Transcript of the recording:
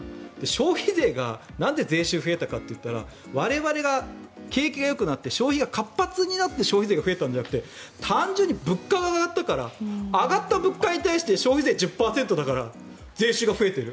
消費税がなんで税収増えたかというと我々が、景気がよくなって消費が活発になって消費税が増えたんじゃなくて単純に物価が上がったから上がった物価に対して消費税１０％だから税収が増えている。